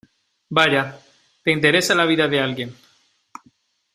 vaya, te interesa la vida de alguien.